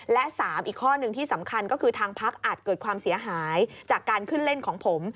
และ๓อีกข้อหนึ่งที่สำคัญก็คือทางพักอาจเกิดความเสียหายจากการขึ้นเล่นของผม